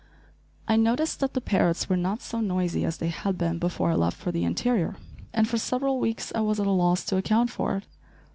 I noticed that the parrots were not so noisy as they had been before I left for the interior, and for several weeks I was at a loss to account for it.